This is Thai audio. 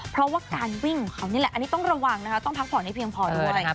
เพราะว่าการวิ่งของเขานี่แหละอันนี้ต้องระวังนะคะต้องพักผ่อนให้เพียงพอด้วย